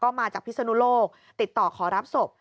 มาจากพิศนุโลกติดต่อขอรับศพ